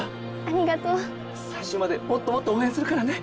ありがとう最終までもっともっと応援するからね！